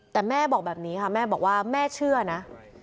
แต่แม่บอกแบบนี้ค่ะแม่บอกว่าแม่เชื่อนะ